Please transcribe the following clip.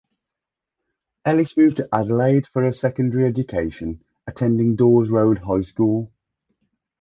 Ellis moved to Adelaide for her secondary education, attending Daws Road High School.